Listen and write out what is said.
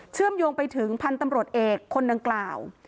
เชื่อมโยงไปถึงพันธุ์ตำรวจเอกคนดังกล่าว